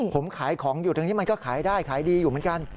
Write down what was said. ผมขายของอยู่ตรงนี้มันก็ขายได้ขายดีอยู่เหมือนกัน